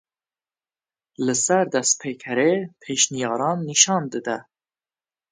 Li ser destpêkerê pêşniyaran nîşan dide.